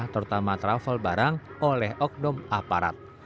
terutama travel barang oleh oknum aparat